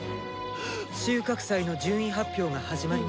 収穫祭の順位発表が始まりますよ。